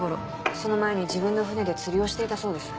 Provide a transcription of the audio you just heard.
その前に自分の船で釣りをしていたそうです。